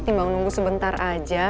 timbang nunggu sebentar aja